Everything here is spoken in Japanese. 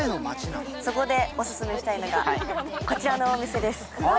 そこでオススメしたいのが、こちらのお店です。